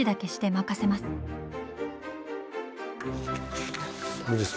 これですね。